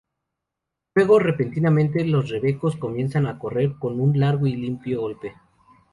Luego, repentinamente los rebecos comienzan a correr con un largo y limpio galope.